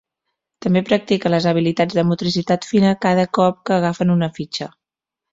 També practiquen les habilitats de motricitat fina cada cop que agafen una fitxa.